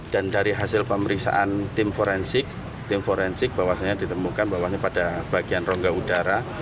dan dari hasil pemeriksaan tim forensik tim forensik bahwasannya ditemukan bahwasannya pada bagian rongga udara